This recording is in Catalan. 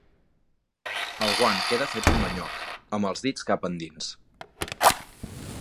El guant queda fet un manyoc, amb els dits cap endins.